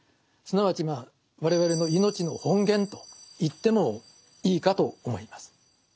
すなわちまあ我々の命の本源と言ってもいいかと思います。